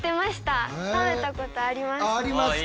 食べたことあります。